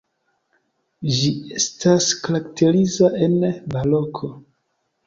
Ĝi estas karakteriza en baroko.